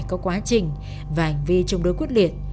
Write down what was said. có quá trình và hành vi chống đối quyết liệt